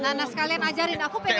nah nah sekalian ajarin aku pengen tau